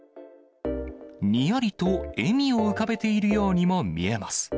にやりと笑みを浮かべているようにも見えます。